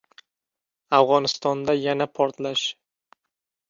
Afg‘onistonda yana portlash